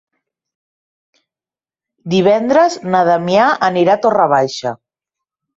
Divendres na Damià anirà a Torre Baixa.